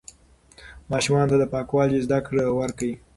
ماشومانو ته د پاکوالي زده کړه ورکړئ.